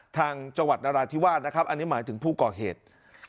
จังหวัดนราธิวาสนะครับอันนี้หมายถึงผู้ก่อเหตุ